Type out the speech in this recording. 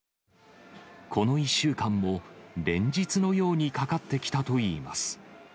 この１週間も、連日のようにかかってきたといいます。